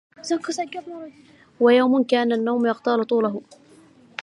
ويوم كأن النوم يغتال طوله